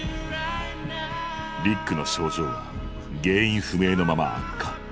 リックの症状は原因不明のまま悪化。